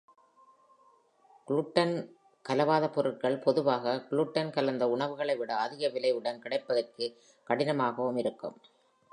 Gluten கலவாத பொருட்கள் பொதுவாக gluten கலந்த உணவுகளை விட அதிக விலையுடன் கிடைப்பதற்கு கடினமாகவும் இருக்கும்.